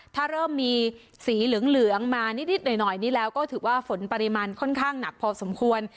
ถ้าเริ่มมีสีเหลืองมานิดหน่อยนี่แล้วก็ถือว่าฝนปริมาณค่อนข้างหนักพอสมควร